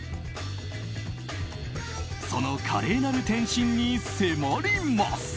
その華麗なる転身に迫ります。